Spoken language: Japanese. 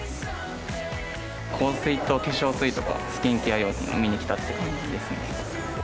香水と化粧水とか、スキンケア用品を見に来たっていう感じですね。